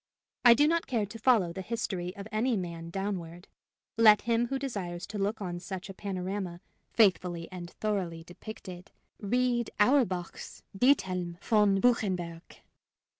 I do not care to follow the history of any man downward. Let him who desires to look on such a panorama, faithfully and thoroughly depicted, read Auerbach's "Diethelm von Buchenberg."